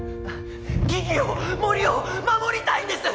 木々を森を守りたいんです！